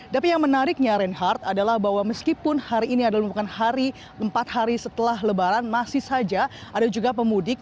tapi yang menariknya reinhardt adalah bahwa meskipun hari ini adalah bukan hari empat hari setelah lebaran masih saja ada juga pemudik